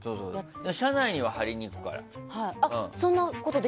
社内には貼りに行くからさ。